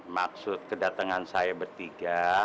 maksud kedatengan saya bertiga